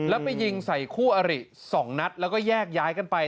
แล้วไปยิงใส่คู่อริ๒นัดแล้วก็แยกย้ายกันไป